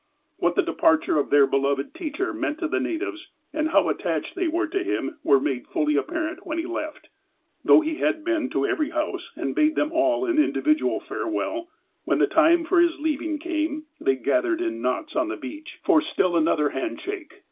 What the departure of their beloved teacher meant to the natives, and how attached they were to him, were made fully apparent when he left. Though he had been to every house, and bade them all an individual fiirewell, when the time for his leaving came, they gathered in knots on the beach, for still an BACK IN OLD ENGLAND 223 other band sliake.